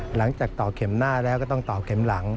หลังจากตกเข็มหน้าแล้วก็ต้องตกเข็มหลัง